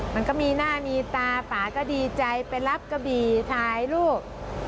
มันก็มีหน้ามีตาป่าก็ดีใจไปรับกระบี่ถ่ายรูป